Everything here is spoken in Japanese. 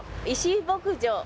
「石井牧場